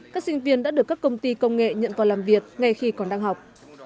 các sinh viên đã được các công ty công nghệ nhận vào làm việc ngay khi còn đang học